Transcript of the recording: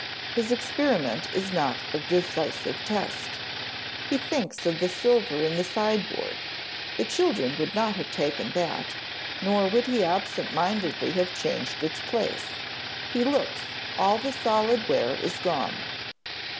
His experiment is not a decisive test. He thinks of the silver in the sideboard the children would not have taken that nor would he absent mindedly have changed its place. He looks; all the solid ware is gone.